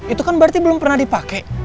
itu kan berarti belum pernah dipakai